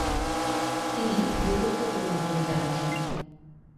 তিনি গুরুত্বপূর্ণ ভূমিকা রাখেন।